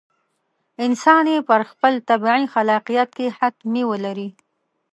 انسان یې پر خپل طبیعي خلاقیت حتمي ولري.